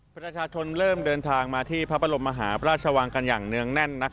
ประชาชนเริ่มเดินทางมาที่พระบรมมหาพระราชวังกันอย่างเนื่องแน่น